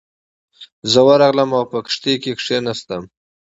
زه ورغلم او په کښتۍ کې کېناستم.